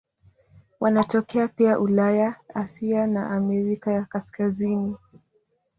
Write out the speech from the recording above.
Wanatokea pia Ulaya, Asia na Amerika ya Kaskazini.